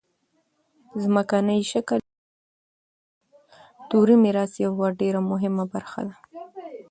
ځمکنی شکل د افغانستان د کلتوري میراث یوه ډېره مهمه برخه ده.